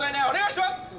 お願いします！